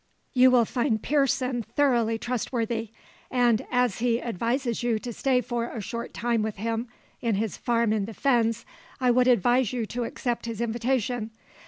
You will find Pearson thoroughly trustworthy, and as he advises you to stay for a short time with him in his farm in the fens, I would advise you to accept his invitation.